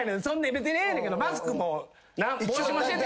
別にええねんけどマスクも帽子もしててん。